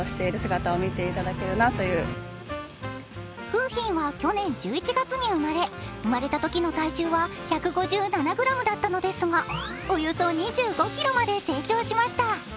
楓浜は去年１１月に生まれ生まれたときの体重は１５７ｇだったのですが、およそ２５ｋｇまで成長しました。